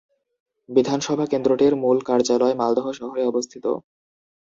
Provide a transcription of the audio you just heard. বিধানসভা কেন্দ্রটির মূল কার্যালয় মালদহ শহরে অবস্থিত।